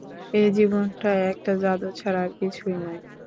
এ জীবনটা একটা জাদু ছাড়া আর কিছুই নয়।